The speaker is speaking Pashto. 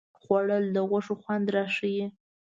خوړل د غوښې خوند راښيي